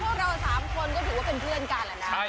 พวกเรา๓คนก็ถือว่าเป็นเพื่อนกันแหละนะ